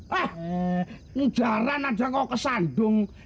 hhung jahat sisanya kau kesandung brilliant